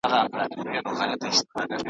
د چا د زړه د وینو رنګ پکار و.